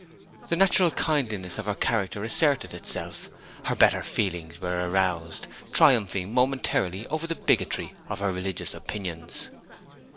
The natural kindliness of her character asserted itself; her better feelings were aroused, triumphing momentarily over the bigotry of her religious opinions.